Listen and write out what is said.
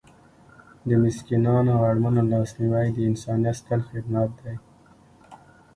د مسکینانو او اړمنو لاسنیوی د انسانیت ستر خدمت دی.